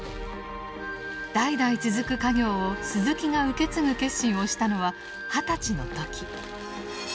代々続く家業を鈴木が受け継ぐ決心をしたのは二十歳の時。